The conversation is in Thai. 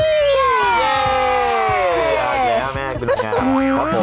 เย่อยากแม่งเป็นลงงานขอบคุณ